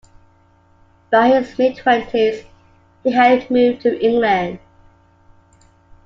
By his mid-twenties he had moved to England.